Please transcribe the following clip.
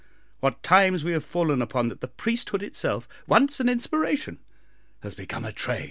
What times have we fallen upon that the priesthood itself, once an inspiration, has become a trade?"